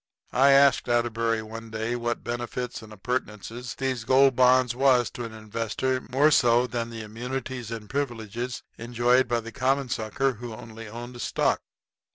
I asked Atterbury one day what benefits and appurtenances these Gold Bonds was to an investor more so than the immunities and privileges enjoyed by the common sucker who only owned stock.